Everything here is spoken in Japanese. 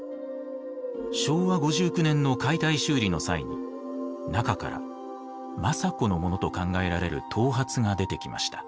昭和５９年の解体修理の際に中から政子のものと考えられる頭髪が出てきました。